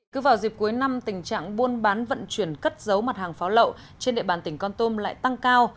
cứ vào dịp cuối năm tình trạng buôn bán vận chuyển cất dấu mặt hàng pháo lậu trên địa bàn tỉnh con tum lại tăng cao